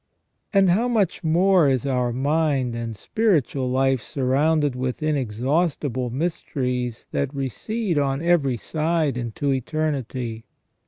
And how much more is our mind and spiritual life surrounded with inexhaustible mysteries that recede on every side into eternity.